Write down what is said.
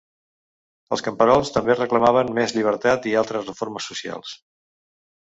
Els camperols també reclamaven més llibertat i altres reformes socials.